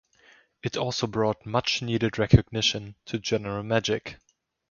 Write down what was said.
It also brought much needed recognition to General Magic.